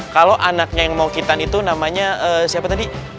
kalau anaknya yang mau kitan itu namanya siapa tadi